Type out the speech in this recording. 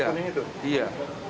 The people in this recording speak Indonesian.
sama bubuk itu iya